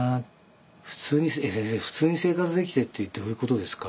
「先生普通に生活できてってどういうことですか？」